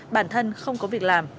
bản thân không có việc làm